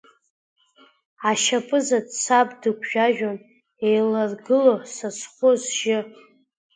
Ашьапызаҵә саб дыгәжәажәон, еиларгыло са схәы-сжьы.